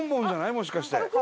もしかして。